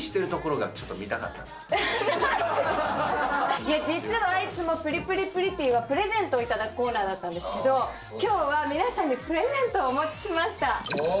何で⁉実はいつもプリプリプリティ！はプレゼントを頂くコーナーだったんですが今日は皆さんにプレゼントをお持ちしました。